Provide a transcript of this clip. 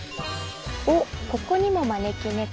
ここにも招き猫。